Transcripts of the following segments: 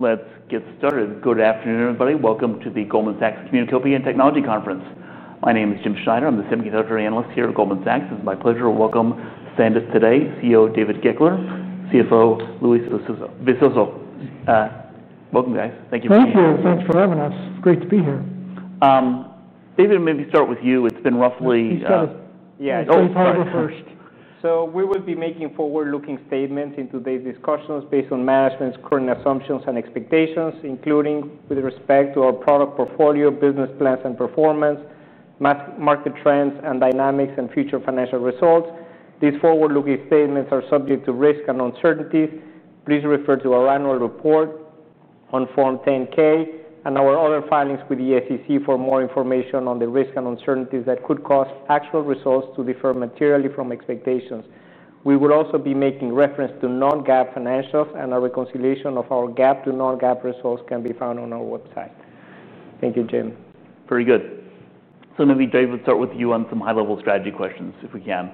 Let's get started. Good afternoon, everybody. Welcome to the Goldman Sachs Communicopia and Technology Conference. My name is Jim Schneider. I'm the Semiconductor Analyst here at Goldman Sachs. It's my pleasure to welcome Sandisk today, CEO David Goeckeler, CFO Luis Visoso. Welcome, guys. Thank you for being here. Thanks for having us. It's great to be here. David, maybe start with you. It's been roughly... Yeah, it's always hard at first. We will be making forward-looking statements in today's discussions based on management's current assumptions and expectations, including with respect to our product portfolio, business plans and performance, mass market trends and dynamics, and future financial results. These forward-looking statements are subject to risk and uncertainty. Please refer to our annual report on Form 10-K and our other filings with the SEC for more information on the risk and uncertainties that could cause actual results to differ materially from expectations. We will also be making reference to non-GAAP financials, and a reconciliation of our GAAP to non-GAAP results can be found on our website. Thank you, Jim. Very good. David, maybe start with you on some high-level strategy questions if we can.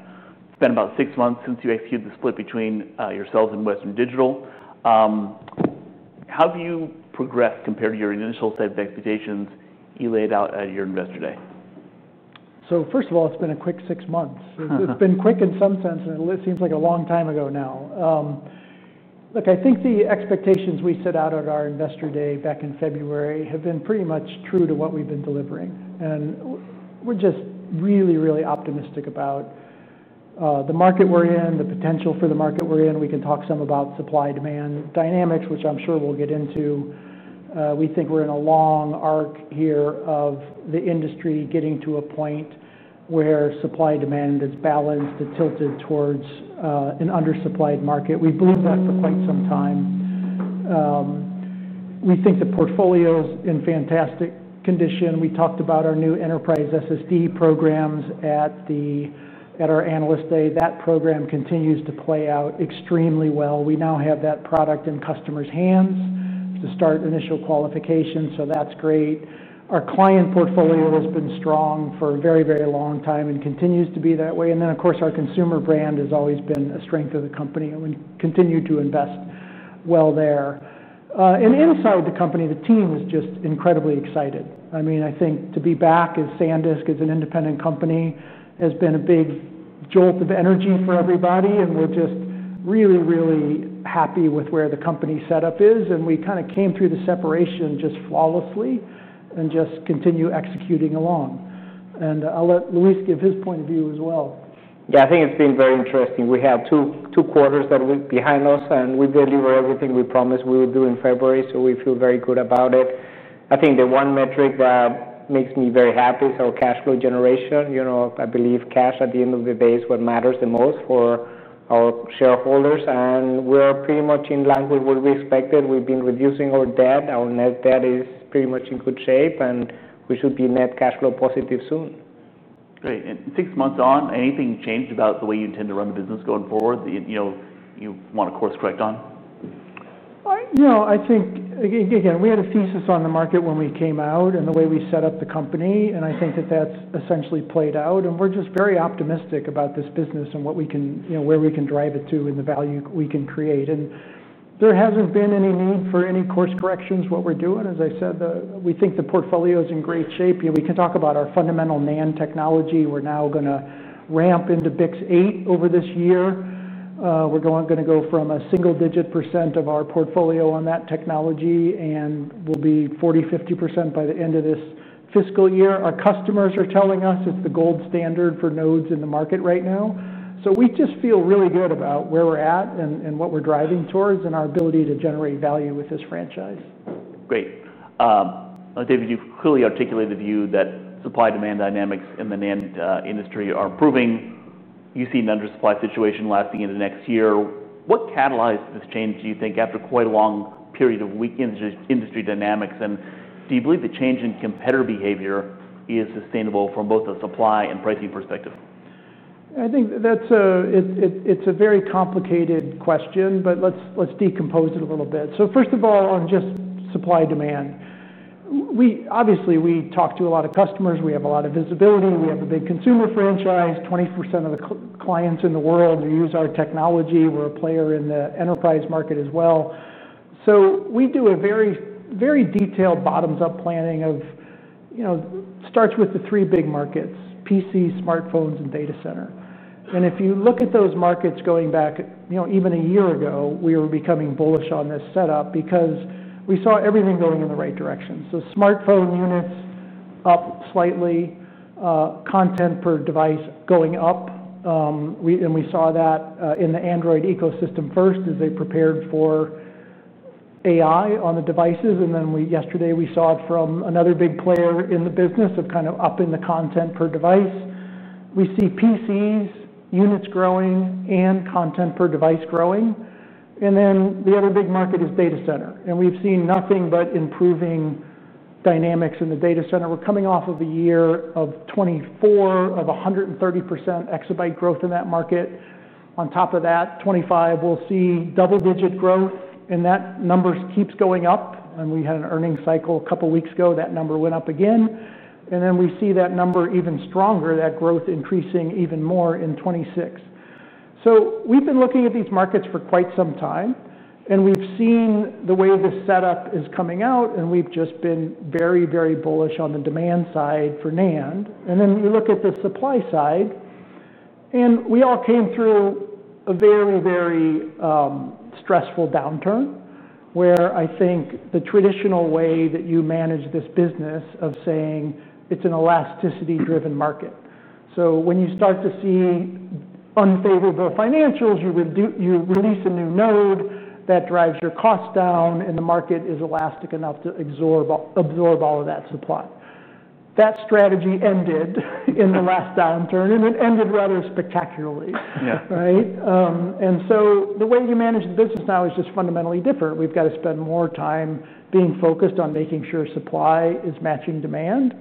It's been about six months since you executed the split between yourselves and Western Digital. How have you progressed compared to your initial set of expectations you laid out at your investor day? First of all, it's been a quick six months. It's been quick in some sense, and it seems like a long time ago now. I think the expectations we set out at our investor day back in February have been pretty much true to what we've been delivering. We're just really, really optimistic about the market we're in, the potential for the market we're in. We can talk some about supply-demand dynamics, which I'm sure we'll get into. We think we're in a long arc here of the industry getting to a point where supply-demand is balanced and tilted towards an undersupplied market. We've believed that for quite some time. We think the portfolio is in fantastic condition. We talked about our new enterprise SSD programs at our analyst day. That program continues to play out extremely well. We now have that product in customers' hands to start initial qualifications, so that's great. Our client portfolio has been strong for a very, very long time and continues to be that way. Of course, our consumer brand has always been a strength of the company and we continue to invest well there. Inside the company, the team is just incredibly excited. I think to be back as Sandisk, as an independent company, has been a big jolt of energy for everybody, and we're just really, really happy with where the company setup is. We kind of came through the separation just flawlessly and just continue executing along. I'll let Luis give his point of view as well. Yeah, I think it's been very interesting. We have two quarters that are behind us, and we deliver everything we promised we would do in February, so we feel very good about it. I think the one metric that makes me very happy is our cash flow generation. I believe cash at the end of the day is what matters the most for our shareholders, and we're pretty much in line with what we expected. We've been reducing our debt. Our net debt is pretty much in good shape, and we should be net cash flow positive soon. Great. Six months on, anything changed about the way you intend to run the business going forward that you want to course-correct on? I think, again, we had a thesis on the market when we came out and the way we set up the company, and I think that that's essentially played out. We're just very optimistic about this business and what we can, you know, where we can drive it to and the value we can create. There hasn't been any need for any course corrections. What we're doing, as I said, we think the portfolio is in great shape. We can talk about our fundamental NAND technology. We're now going to ramp into BiCS 8 over this year. We're going to go from a single-digit percent of our portfolio on that technology, and we'll be 40%, 50% by the end of this fiscal year. Our customers are telling us it's the gold standard for nodes in the market right now. We just feel really good about where we're at and what we're driving towards and our ability to generate value with this franchise. Great. David, you've clearly articulated the view that supply-demand dynamics in the NAND industry are improving. You see an undersupply situation lasting into next year. What catalyzed this change, do you think, after quite a long period of weak industry dynamics? Do you believe the change in competitor behavior is sustainable from both a supply and pricing perspective? I think that's a very complicated question, but let's decompose it a little bit. First of all, on just supply-demand, obviously, we talk to a lot of customers. We have a lot of visibility. We have a big consumer franchise. 20% of the clients in the world use our technology. We're a player in the enterprise market as well. We do a very, very detailed bottoms-up planning of, you know, starts with the three big markets: PC, smartphones, and data center. If you look at those markets going back, you know, even a year ago, we were becoming bullish on this setup because we saw everything going in the right direction. Smartphone units up slightly, content per device going up. We saw that in the Android ecosystem first as they prepared for AI on the devices. Yesterday, we saw it from another big player in the business of kind of upping the content per device. We see PC units growing and content per device growing. The other big market is data center. We've seen nothing but improving dynamics in the data center. We're coming off of a year of 24% of 130% exabyte growth in that market. On top of that, 25%, we'll see double-digit growth. That number keeps going up. We had an earnings cycle a couple of weeks ago. That number went up again. We see that number even stronger, that growth increasing even more in 2026. We've been looking at these markets for quite some time. We've seen the way this setup is coming out. We've just been very, very bullish on the demand side for NAND. Then we look at the supply side. We all came through a very, very stressful downturn where I think the traditional way that you manage this business of saying it's an elasticity-driven market. When you start to see unfavorable financials, you release a new node that drives your costs down, and the market is elastic enough to absorb all of that supply. That strategy ended in the last downturn, and it ended rather spectacularly. Right. The way you manage the business now is just fundamentally different. We've got to spend more time being focused on making sure supply is matching demand.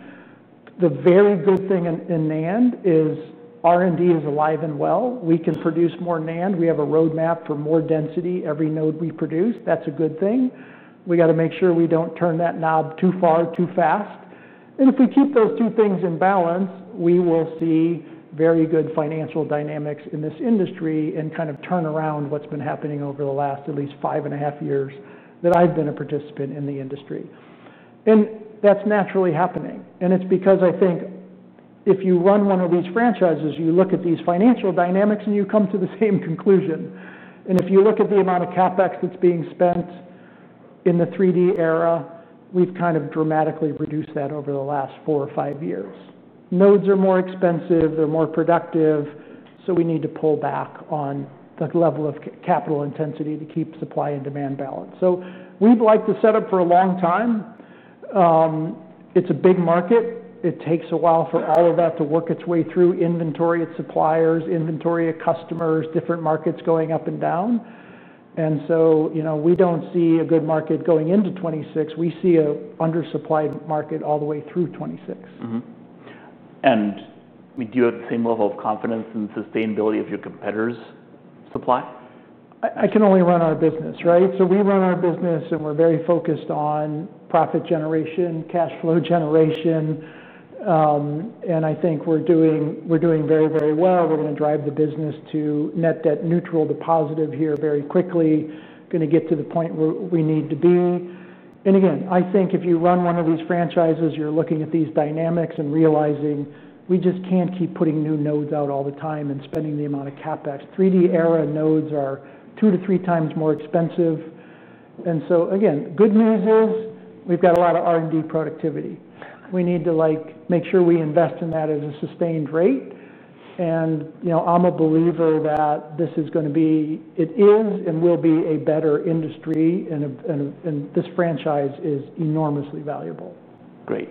The very good thing in NAND is R&D is alive and well. We can produce more NAND. We have a roadmap for more density every node we produce. That's a good thing. We got to make sure we don't turn that knob too far, too fast. If we keep those two things in balance, we will see very good financial dynamics in this industry and kind of turn around what's been happening over the last at least five and a half years that I've been a participant in the industry. That's naturally happening. It's because I think if you run one of these franchises, you look at these financial dynamics and you come to the same conclusion. If you look at the amount of CapEx that's being spent in the 3D era, we've kind of dramatically reduced that over the last four or five years. Nodes are more expensive. They're more productive. We need to pull back on the level of capital intensity to keep supply and demand balanced. We've liked the setup for a long time. It's a big market. It takes a while for all of that to work its way through inventory at suppliers, inventory at customers, different markets going up and down. We don't see a good market going into 2026. We see an undersupplied market all the way through 2026. Do you have the same level of confidence in the sustainability of your competitors' supply? I can only run our business, right? We run our business, and we're very focused on profit generation, cash flow generation. I think we're doing very, very well. We're going to drive the business to net debt neutral to positive here very quickly, going to get to the point where we need to be. I think if you run one of these franchises, you're looking at these dynamics and realizing we just can't keep putting new nodes out all the time and spending the amount of CapEx. 3D era nodes are 2-3x more expensive. The good news is we've got a lot of R&D productivity. We need to make sure we invest in that at a sustained rate. I'm a believer that this is going to be, it is and will be a better industry, and this franchise is enormously valuable. Great.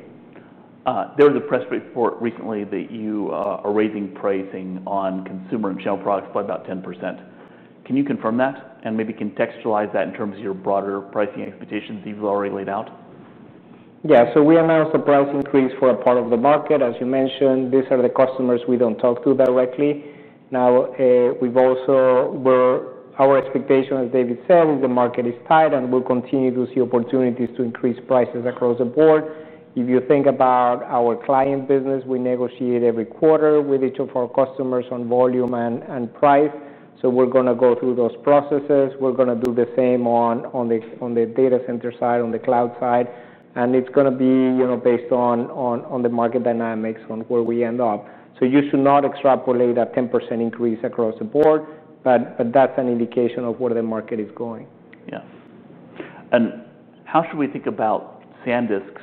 There was a press report recently that you are raising pricing on consumer and shell products by about 10%. Can you confirm that and maybe contextualize that in terms of your broader pricing expectations that you've already laid out? Yeah. We announced a price increase for a part of the market. As you mentioned, these are the customers we don't talk to directly. Our expectation, as David said, is the market is tight, and we'll continue to see opportunities to increase prices across the board. If you think about our client business, we negotiate every quarter with each of our customers on volume and price. We're going to go through those processes. We're going to do the same on the data center side, on the cloud side. It's going to be based on the market dynamics on where we end up. You should not extrapolate that 10% increase across the board, but that's an indication of where the market is going. Yeah. How should we think about Sandisk's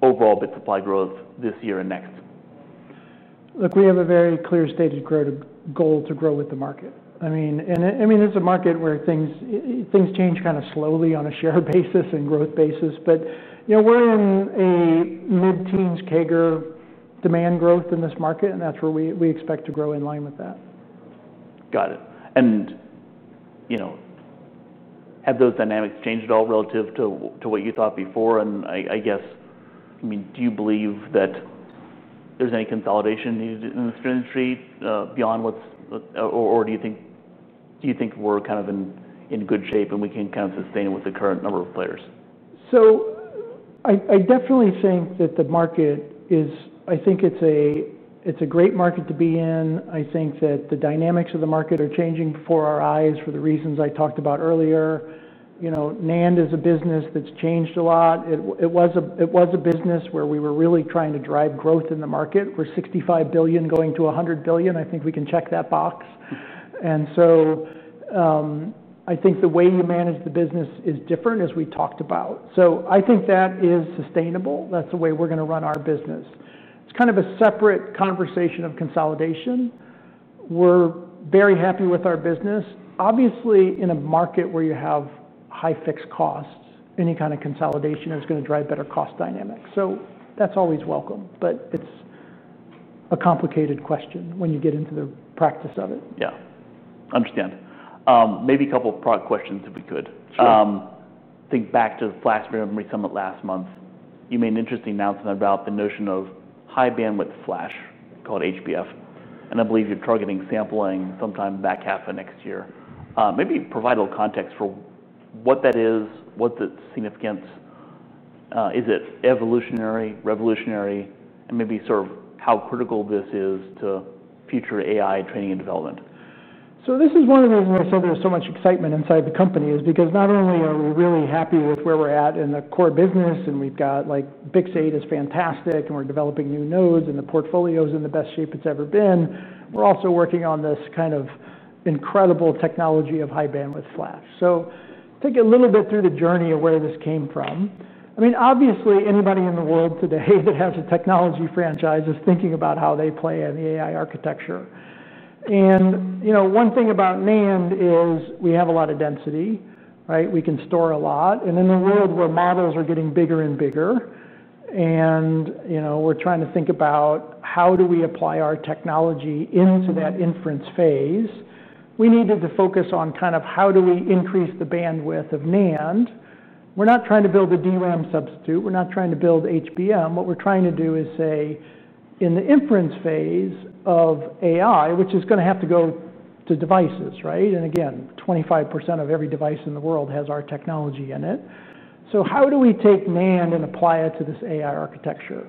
overall bit supply growth this year and next? Look, we have a very clear stated goal to grow with the market. I mean, it's a market where things change kind of slowly on a share basis and growth basis. We're in a mid-teens CAGR demand growth in this market, and that's where we expect to grow in line with that. Got it. Have those dynamics changed at all relative to what you thought before? Do you believe that there's any consolidation needed in this industry beyond what's, or do you think we're kind of in good shape and we can kind of sustain it with the current number of players? I definitely think that the market is, I think it's a great market to be in. I think that the dynamics of the market are changing before our eyes for the reasons I talked about earlier. You know, NAND is a business that's changed a lot. It was a business where we were really trying to drive growth in the market. We're $65 billion going to $100 billion. I think we can check that box. I think the way you manage the business is different, as we talked about. I think that is sustainable. That's the way we're going to run our business. It's kind of a separate conversation of consolidation. We're very happy with our business. Obviously, in a market where you have high fixed costs, any kind of consolidation is going to drive better cost dynamics. That's always welcome. It's a complicated question when you get into the practice of it. Yeah, I understand. Maybe a couple of product questions if we could. Sure. Think back to the Flash Memory Summit last month. You made an interesting announcement about the notion of high bandwidth flash called HBF. I believe you're targeting sampling sometime back half of next year. Maybe provide a little context for what that is, what's its significance, is it evolutionary, revolutionary, and maybe sort of how critical this is to future AI training and development. This is one of the reasons I feel there's so much excitement inside the company, because not only are we really happy with where we're at in the core business and we've got, like, BiCS 8 is fantastic and we're developing new nodes and the portfolio is in the best shape it's ever been, we're also working on this kind of incredible technology of high bandwidth flash. Take a little bit through the journey of where this came from. I mean, obviously, anybody in the world today that has a technology franchise is thinking about how they play in the AI architecture. You know, one thing about NAND is we have a lot of density, right? We can store a lot. In a world where models are getting bigger and bigger, and you know, we're trying to think about how do we apply our technology into that inference phase, we needed to focus on kind of how do we increase the bandwidth of NAND. We're not trying to build a DRAM substitute. We're not trying to build HBM. What we're trying to do is say in the inference phase of AI, which is going to have to go to devices, right? Again, 25% of every device in the world has our technology in it. How do we take NAND and apply it to this AI architecture?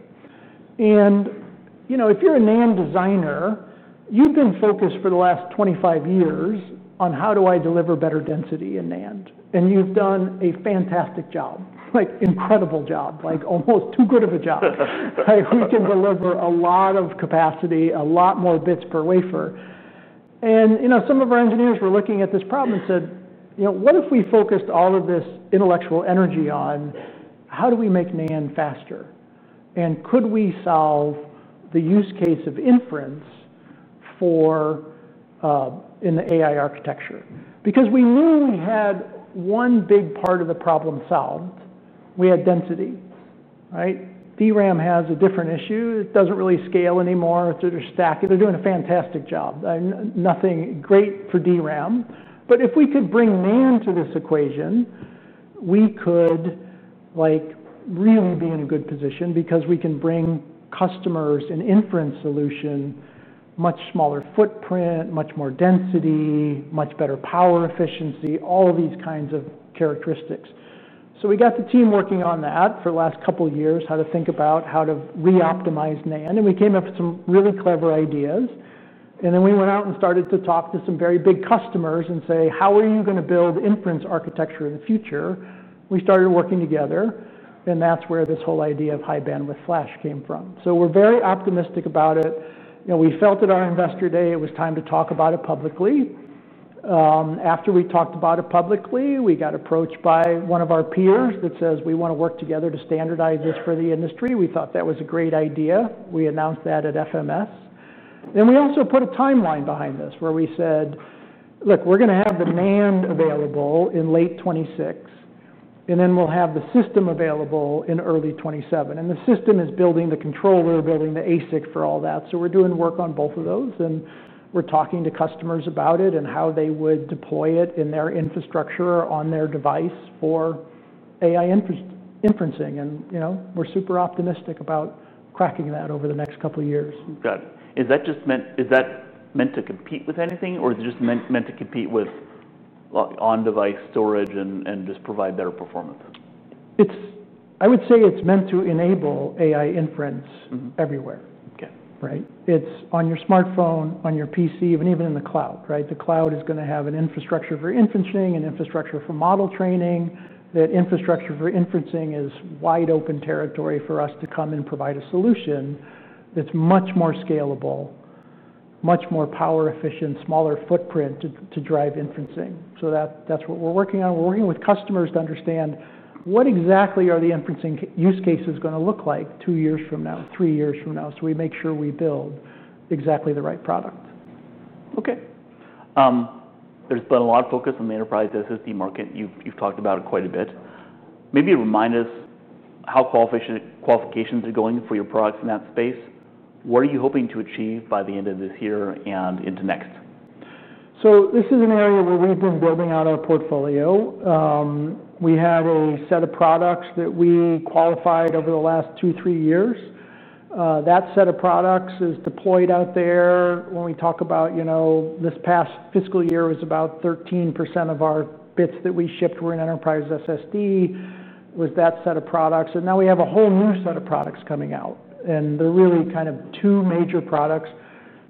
You know, if you're a NAND designer, you've been focused for the last 25 years on how do I deliver better density in NAND. You've done a fantastic job, like incredible job, like almost too good of a job, right? We can deliver a lot of capacity, a lot more bits per wafer. Some of our engineers were looking at this problem and said, you know, what if we focused all of this intellectual energy on how do we make NAND faster? Could we solve the use case of inference for in the AI architecture? We knew we had one big part of the problem solved. We had density, right? DRAM has a different issue. It doesn't really scale anymore. They're doing a fantastic job. Nothing great for DRAM. If we could bring NAND to this equation, we could really be in a good position because we can bring customers an inference solution, much smaller footprint, much more density, much better power efficiency, all of these kinds of characteristics. We got the team working on that for the last couple of years, how to think about how to re-optimize NAND. We came up with some really clever ideas. Then we went out and started to talk to some very big customers and say, how are you going to build inference architecture in the future? We started working together. That's where this whole idea of High Bandwidth Flash came from. We're very optimistic about it. We felt at our investor day it was time to talk about it publicly. After we talked about it publicly, we got approached by one of our peers that says we want to work together to standardize this for the industry. We thought that was a great idea. We announced that at FMS. We also put a timeline behind this where we said, look, we're going to have the NAND available in late 2026, and we'll have the system available in early 2027. The system is building the controller, building the ASIC for all that. We're doing work on both of those. We're talking to customers about it and how they would deploy it in their infrastructure or on their device for AI inferencing. We're super optimistic about cracking that over the next couple of years. Good. Is that just meant to compete with anything, or is it just meant to compete with on-device storage and just provide better performance? I would say it's meant to enable AI inference everywhere. It's on your smartphone, on your PC, and even in the cloud, right? The cloud is going to have an infrastructure for inferencing, an infrastructure for model training. That infrastructure for inferencing is wide open territory for us to come and provide a solution that's much more scalable, much more power efficient, smaller footprint to drive inferencing. That's what we're working on. We're working with customers to understand what exactly are the inferencing use cases going to look like two years from now, three years from now, so we make sure we build exactly the right product. Okay. There's been a lot of focus on the enterprise SSD market. You've talked about it quite a bit. Maybe remind us how qualifications are going for your products in that space. What are you hoping to achieve by the end of this year and into next? This is an area where we've been building out our portfolio. We have a set of products that we qualified over the last two, three years. That set of products is deployed out there. When we talk about, you know, this past fiscal year, about 13% of our bits that we shipped were in enterprise SSD. That was that set of products. Now we have a whole new set of products coming out. There are really kind of two major products.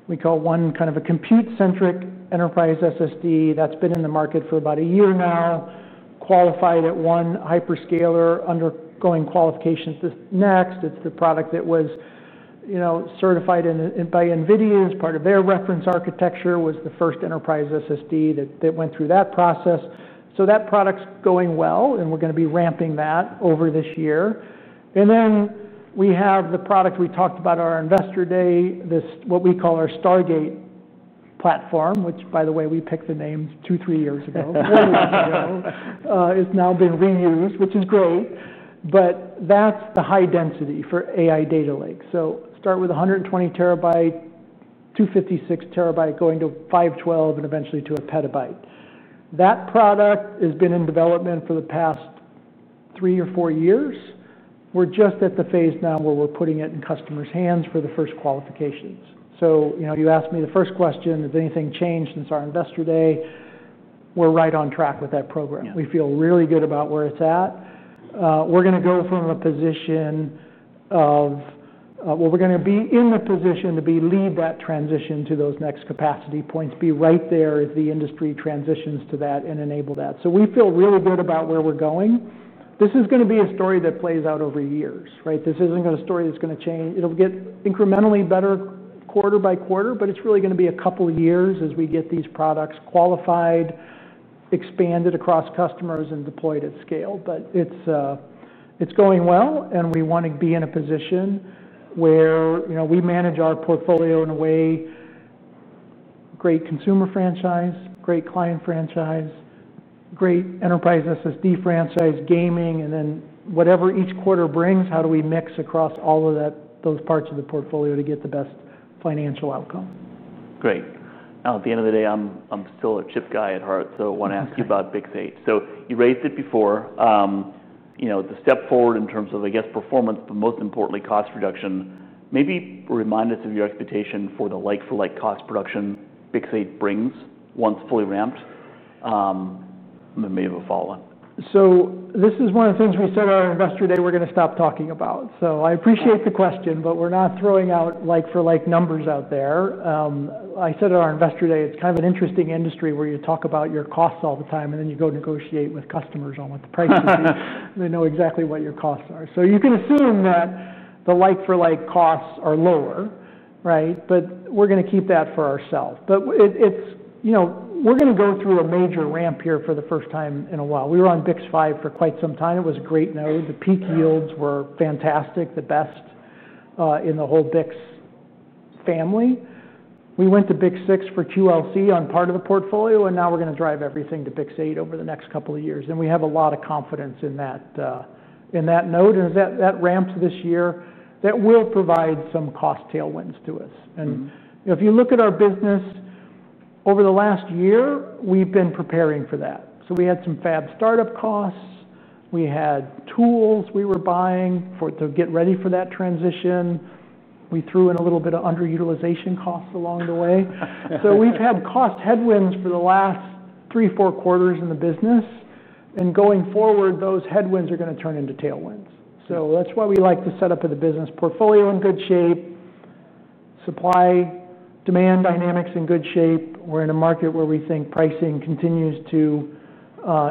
We call one kind of a compute-centric enterprise SSD that's been in the market for about a year now, qualified at one hyperscaler, undergoing qualifications next. It's the product that was certified by NVIDIA. It was part of their reference architecture, was the first enterprise SSD that went through that process. That product's going well, and we're going to be ramping that over this year. We have the product we talked about at our investor day, what we call our Stargate platform, which, by the way, we picked the names two, three years ago. It's now been reused, which is great. That's the high density for AI data lake. Start with 120 TB, 256 TB, going to 512 TB and eventually to a petabyte. That product has been in development for the past three or four years. We're just at the phase now where we're putting it in customers' hands for the first qualifications. You asked me the first question, has anything changed since our investor day? We're right on track with that program. We feel really good about where it's at. We're going to go from a position of, we're going to be in the position to lead that transition to those next capacity points, be right there as the industry transitions to that and enable that. We feel really good about where we're going. This is going to be a story that plays out over years, right? This isn't a story that's going to change. It'll get incrementally better quarter by quarter, but it's really going to be a couple of years as we get these products qualified, expanded across customers, and deployed at scale. It's going well, and we want to be in a position where, you know, we manage our portfolio in a way, great consumer franchise, great client franchise, great enterprise SSD franchise, gaming, and then whatever each quarter brings, how do we mix across all of those parts of the portfolio to get the best financial outcome? Great. At the end of the day, I'm still a chip guy at heart, so I want to ask you about BiCS 8. You raised it before, the step forward in terms of, I guess, performance, but most importantly, cost reduction. Maybe remind us of your expectation for the like-for-like cost reduction BiCS 8 brings once fully ramped. Maybe we'll follow on. This is one of the things we said at our investor day we're going to stop talking about. I appreciate the question, but we're not throwing out like-for-like numbers out there. I said at our investor day, it's kind of an interesting industry where you talk about your costs all the time, and then you go negotiate with customers on what the price is, and they know exactly what your costs are. You can assume that the like-for-like costs are lower, right? We're going to keep that for ourselves. It's, you know, we're going to go through a major ramp here for the first time in a while. We were on BiCS 5 for quite some time. It was a great node. The peak yields were fantastic, the best in the whole BiCS family. We went to BiCS 6 for QLC on part of the portfolio, and now we're going to drive everything to BiCS 8 over the next couple of years. We have a lot of confidence in that node. As that ramps this year, that will provide some cost tailwinds to us. If you look at our business over the last year, we've been preparing for that. We had some fab start-up costs. We had tools we were buying to get ready for that transition. We threw in a little bit of underutilization costs along the way. We've had cost headwinds for the last three, four quarters in the business. Going forward, those headwinds are going to turn into tailwinds. That's why we like the setup of the business. Portfolio in good shape, supply-demand dynamics in good shape. We're in a market where we think pricing continues to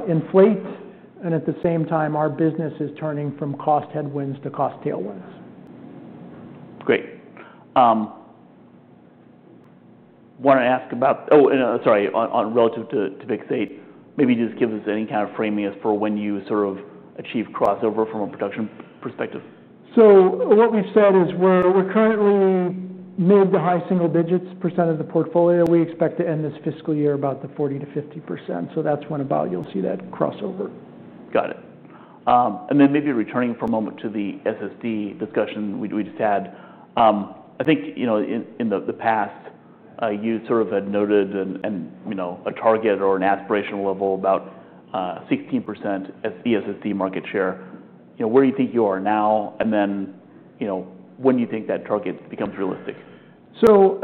inflate. At the same time, our business is turning from cost headwinds to cost tailwinds. Great. I want to ask about, oh, sorry, relative to BiCS 8, maybe just give us any kind of framing as for when you sort of achieve crossover from a production perspective. What we've said is we're currently mid to high-single digits percentage of the portfolio. We expect to end this fiscal year about the 40% to 50%. That's when you'll see that crossover. Got it. Maybe returning for a moment to the SSD discussion we just had, I think, you know, in the past, you sort of had noted a target or an aspirational level about 16% as the SSD market share. You know, where do you think you are now, and when do you think that target becomes realistic?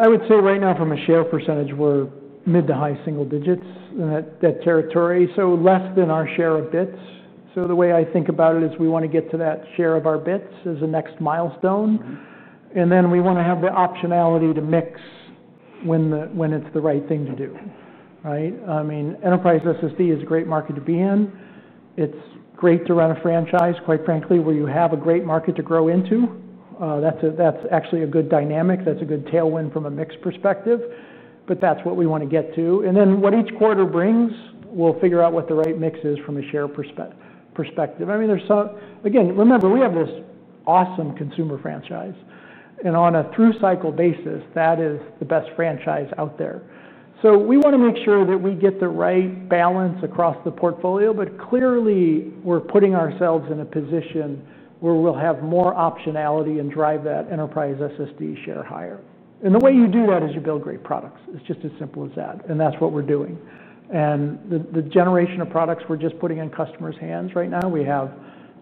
I would say right now, from a share percentage, we're mid to high-single digits in that territory, less than our share of bits. The way I think about it is we want to get to that share of our bits as a next milestone. We want to have the optionality to mix when it's the right thing to do, right? I mean, enterprise SSD is a great market to be in. It's great to run a franchise, quite frankly, where you have a great market to grow into. That's actually a good dynamic, a good tailwind from a mix perspective. That's what we want to get to. What each quarter brings, we'll figure out what the right mix is from a share perspective. I mean, remember we have this awesome consumer franchise, and on a through cycle basis, that is the best franchise out there. We want to make sure that we get the right balance across the portfolio. Clearly, we're putting ourselves in a position where we'll have more optionality and drive that enterprise SSD share higher. The way you do that is you build great products. It's just as simple as that. That's what we're doing. The generation of products we're just putting in customers' hands right now, we have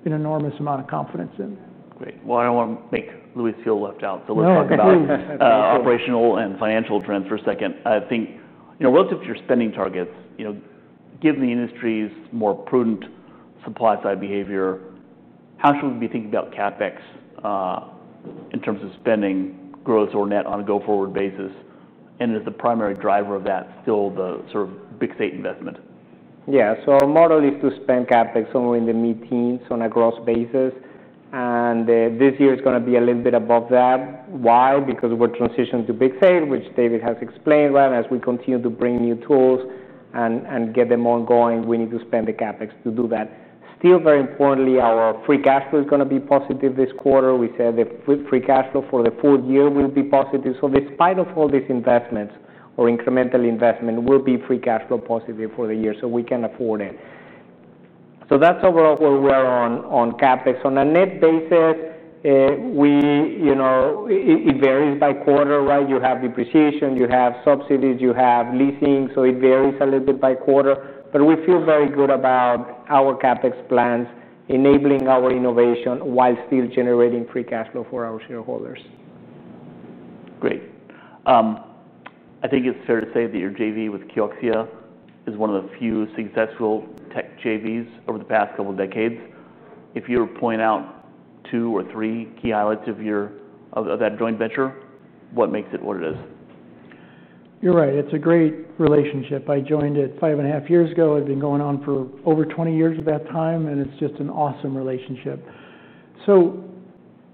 an enormous amount of confidence in. Great. I don't want to make Luis feel left out. Let's talk about operational and financial trends for a second. I think, you know, relative to your spending targets, you know, given the industry's more prudent supply-side behavior, how should we be thinking about CapEx in terms of spending growth or net on a go-forward basis? Is the primary driver of that still the sort of BiCS 8 investment? Yeah, so our model is to spend CapEx only in the mid-teens on a gross basis. This year is going to be a little bit above that. Why? Because we're transitioning to BiCS 8, which David has explained. As we continue to bring new tools and get them ongoing, we need to spend the CapEx to do that. Still, very importantly, our free cash flow is going to be positive this quarter. We said the free cash flow for the full year will be positive. Despite all these investments or incremental investments, we'll be free cash flow positive for the year so we can afford it. That's overall where we are on CapEx. On a net basis, it varies by quarter, right? You have depreciation, you have subsidies, you have leasing. It varies a little bit by quarter. We feel very good about our CapEx plans enabling our innovation while still generating free cash flow for our shareholders. Great. I think it's fair to say that your JV with KIOXIA is one of the few successful tech JVs over the past couple of decades. If you were to point out two or three key highlights of that joint venture, what makes it what it is? You're right. It's a great relationship. I joined it five and a half years ago. It's been going on for over 20 years at that time, and it's just an awesome relationship.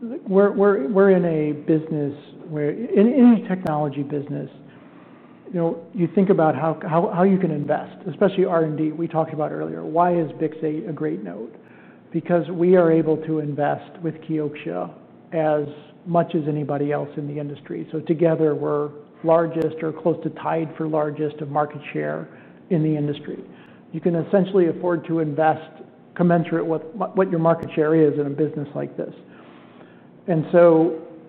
We're in a business, we're in a technology business. You know, you think about how you can invest, especially R&D. We talked about earlier, why is BiCS 8 a great node? Because we are able to invest with KIOXIA as much as anybody else in the industry. Together, we're largest or close to tied for largest of market share in the industry. You can essentially afford to invest commensurate with what your market share is in a business like this.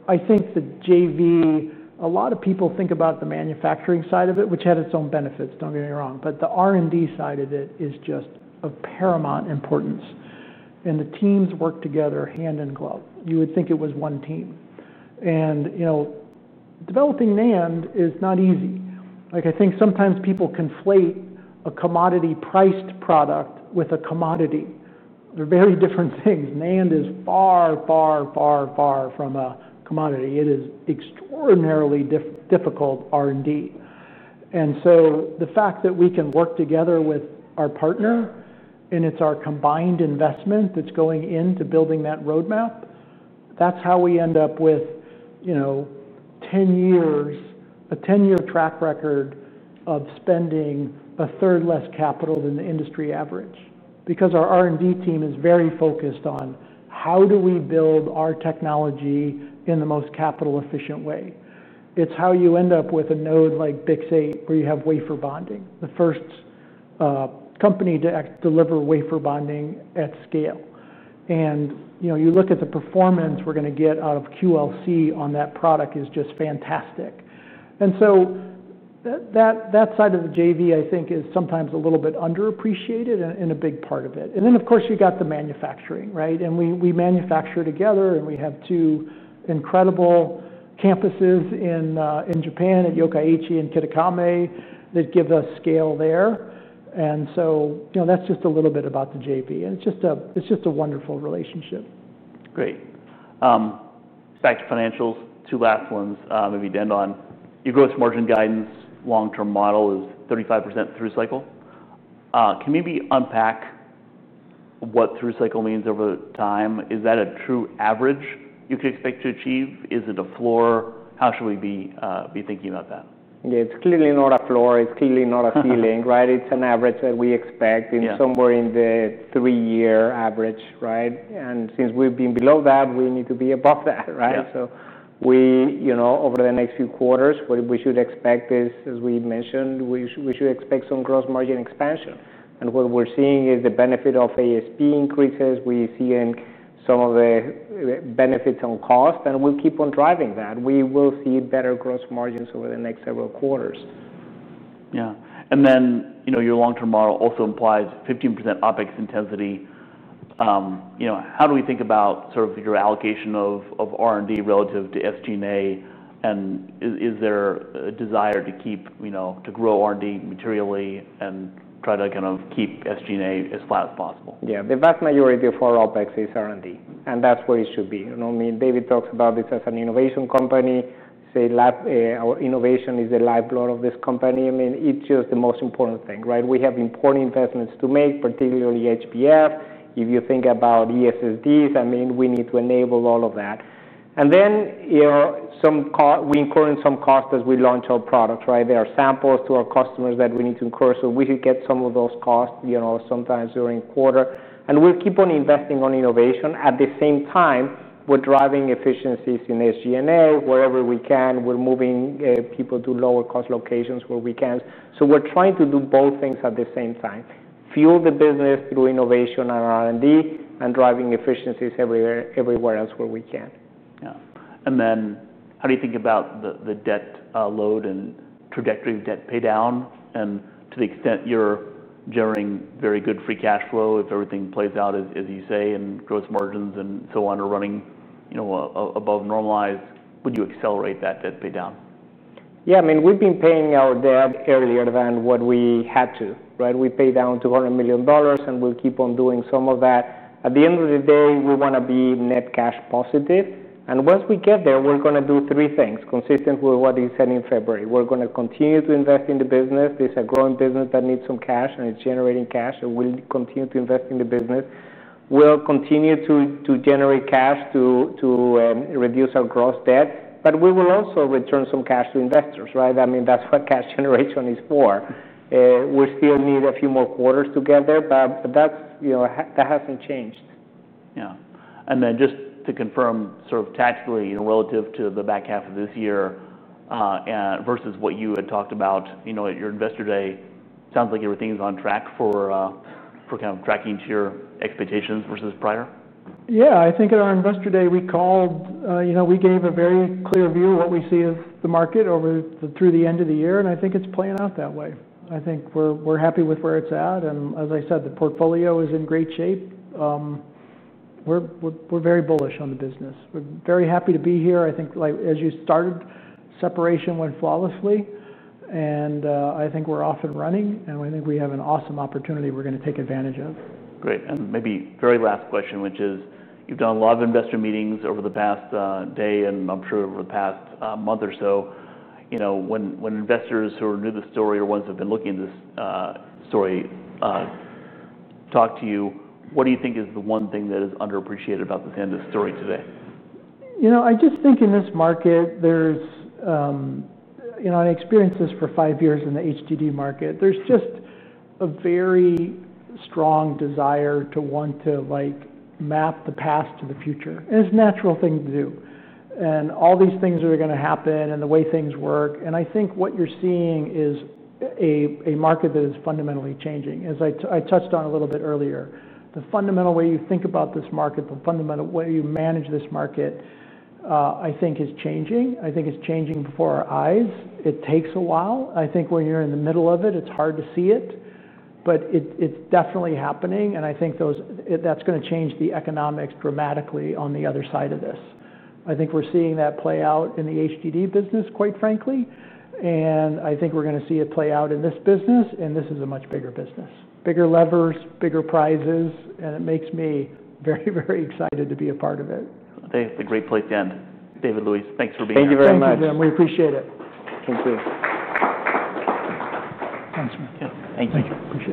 I think the JV, a lot of people think about the manufacturing side of it, which had its own benefits, don't get me wrong. The R&D side of it is just of paramount importance. The teams work together hand in glove. You would think it was one team. Developing NAND is not easy. I think sometimes people conflate a commodity-priced product with a commodity. They're very different things. NAND is far, far, far, far from a commodity. It is extraordinarily difficult R&D. The fact that we can work together with our partner, and it's our combined investment that's going into building that roadmap, that's how we end up with, you know, 10 years, a 10-year track record of spending a third less capital than the industry average. Our R&D team is very focused on how do we build our technology in the most capital-efficient way. It's how you end up with a node like BiCS 8 where you have wafer bonding, the first company to deliver wafer bonding at scale. You look at the performance we're going to get out of QLC on that product is just fantastic. That side of the JV, I think, is sometimes a little bit underappreciated in a big part of it. Of course, you got the manufacturing, right? We manufacture together, and we have two incredible campuses in Japan at Yokkaichi and Kitakami that give us scale there. That's just a little bit about the JV. It's just a wonderful relationship. Great. Back to financials, two last ones maybe to end on. Your gross margin guidance long-term model is 35% through cycle. Can we maybe unpack what through cycle means over time? Is that a true average you can expect to achieve? Is it a floor? How should we be thinking about that? Yeah, it's clearly not a floor. It's clearly not a ceiling, right? It's an average that we expect in somewhere in the three-year average, right? Since we've been below that, we need to be above that, right? Over the next few quarters, what we should expect is, as we mentioned, we should expect some gross margin expansion. What we're seeing is the benefit of ASP increases. We see some of the benefits on cost, and we'll keep on driving that. We will see better gross margins over the next several quarters. Yeah. Your long-term model also implies 15% OpEx intensity. How do we think about sort of your allocation of R&D relative to SG&A? Is there a desire to keep, you know, to grow R&D materially and try to kind of keep SG&A as flat as possible? Yeah, the vast majority of our OpEx is R&D, and that's where it should be. I mean, David talks about this as an innovation company. Our innovation is the lifeblood of this company. I mean, it's just the most important thing, right? We have important investments to make, particularly HBF. If you think about ESSDs, we need to enable all of that. You know, we incur some costs as we launch our products, right? There are samples to our customers that we need to incur. We should get some of those costs, you know, sometimes during the quarter. We'll keep on investing in innovation. At the same time, we're driving efficiencies in SG&A. Wherever we can, we're moving people to lower cost locations where we can. We're trying to do both things at the same time, fuel the business through innovation and R&D and driving efficiencies everywhere else where we can. How do you think about the debt load and trajectory of debt paydown? To the extent you're generating very good free cash flow, if everything plays out as you say and gross margins and so on are running above normalized, would you accelerate that debt paydown? Yeah, I mean, we've been paying our debt earlier than what we had to, right? We paid down $200 million, and we'll keep on doing some of that. At the end of the day, we want to be net cash positive. Once we get there, we're going to do three things consistent with what you said in February. We're going to continue to invest in the business. This is a growing business that needs some cash, and it's generating cash. We'll continue to invest in the business and continue to generate cash to reduce our gross debt. We will also return some cash to investors, right? I mean, that's what cash generation is for. We still need a few more quarters to get there, but that hasn't changed. Yeah, just to confirm, sort of tactically, relative to the back half of this year versus what you had talked about at your investor day, it sounds like everything is on track for kind of tracking to your expectations versus prior? I think at our investor day, we gave a very clear view of what we see as the market through the end of the year. I think it's playing out that way. I think we're happy with where it's at. As I said, the portfolio is in great shape. We're very bullish on the business. We're very happy to be here. I think, like as you started, separation went flawlessly. I think we're off and running. I think we have an awesome opportunity we're going to take advantage of. Great. Maybe very last question, which is you've done a lot of investor meetings over the past day, and I'm sure over the past month or so, you know, when investors who are new to the story or ones who have been looking at this story talk to you, what do you think is the one thing that is underappreciated about the Sandisk story today? I just think in this market, there's, you know, I experienced this for five years in the HDD market. There's just a very strong desire to want to map the past to the future. It's a natural thing to do. All these things are going to happen and the way things work. I think what you're seeing is a market that is fundamentally changing. As I touched on a little bit earlier, the fundamental way you think about this market, the fundamental way you manage this market, I think is changing. I think it's changing before our eyes. It takes a while. I think when you're in the middle of it, it's hard to see it. It's definitely happening. I think that's going to change the economics dramatically on the other side of this. We're seeing that play out in the HDD business, quite frankly. I think we're going to see it play out in this business. This is a much bigger business. Bigger levers, bigger prizes. It makes me very, very excited to be a part of it. I think it's a great place to end. David, Luis, thanks for being with us. Thank you very much. We appreciate it. Thank you. Thanks, man. Okay. Thank you. Appreciate it.